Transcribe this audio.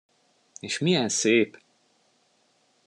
És milyen szép!